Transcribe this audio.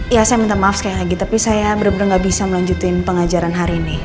ya saya minta maaf sekali lagi tapi saya bener bener gak bisa melanjutin pengajaran hari ini